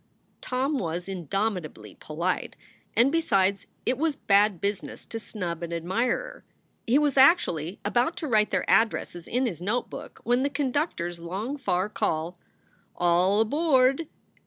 Tom was indomitably polite, and, besides, it was bad business to snub an admirer. He was actually about to write their addresses in his notebook, when the conductor s long far call, "All aboard!"